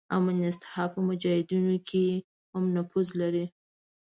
امینست ها په مجاهدینو کې هم نفوذ لري.